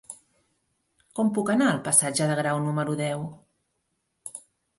Com puc anar al passatge de Grau número deu?